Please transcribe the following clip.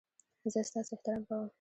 زه ستاسو احترام کوم